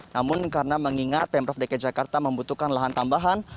namun karena mengingat pemprov dki jakarta membutuhkan lahan tambahan